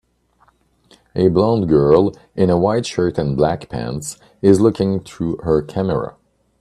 A blond girl in a white shirt and black pants is looking through her camera.